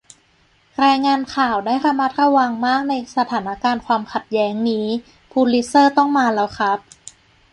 รายงานข่าวได้ระมัดระวังมากในสถานการณ์ความขัดแย้งนี้ พูลิตเซอร์ต้องมาแล้วครับ